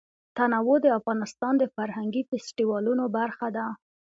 تنوع د افغانستان د فرهنګي فستیوالونو برخه ده.